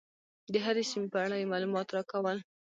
د هرې سیمې په اړه یې معلومات راکول.